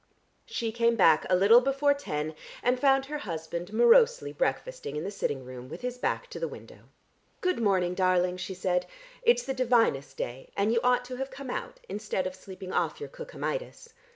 She came back a little before ten, and found her husband morosely breakfasting in the sitting room, with his back to the window. "Good morning, darling," she said. "It's the divinest day, and you ought to have come out instead of sleeping off your Cookhamitis.